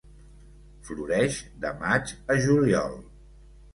Floreix de maig a juliol.